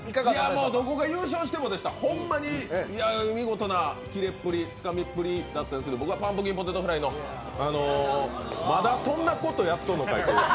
もう、どこが優勝してもでした、ほんまに見事なキレっぷり、つかみっぷりでしたけど、僕はパンプキンポテトフライの「まだそんなことやっとんのかい」